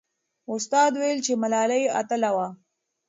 استاد وویل چې ملالۍ اتله وه.